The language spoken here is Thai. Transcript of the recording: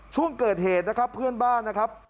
ช่วงเกิดเหตุนะครับเพื่อนบ้านนะครับ